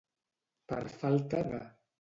Per falta de.